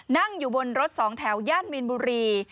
นั่งอยู่บนรถสองแถวย่านมีนบุรี